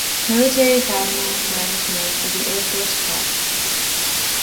Military Academy for Engineers of the Air Force “Prof.